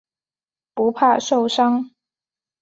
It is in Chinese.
不怕受伤。